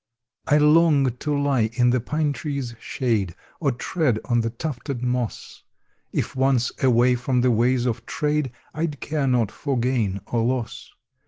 I long to lie in the pine tree's shade, Or tread on the tufted moss; If once away from the ways of trade, I'd care not for gain or loss.